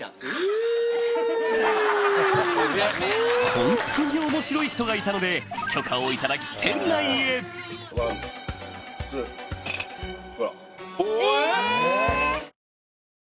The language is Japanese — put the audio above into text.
ホントに面白い人がいたので許可を頂き店内へえ？